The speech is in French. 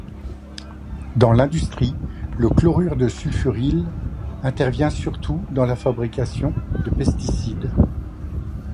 Dans l'industrie, le chlorure de sulfuryle intervient surtout dans la fabrication de pesticides.